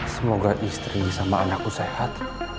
semoga istri sama anakku sehat